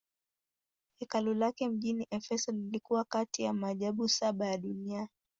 Hekalu lake mjini Efeso lilikuwa kati ya maajabu saba ya dunia.